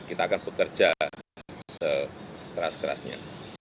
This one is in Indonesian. kita akan bekerja sekeras kerasnya